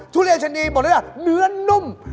ทุเรียนชะนีบอกเลยว่าเนื้อนุ่ม